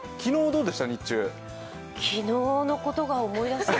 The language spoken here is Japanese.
昨日のことが思い出せない。